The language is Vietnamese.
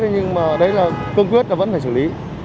nhưng mà đấy là cương quyết là vẫn phải xử lý